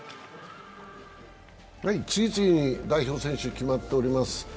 次々に代表選手が決まっております。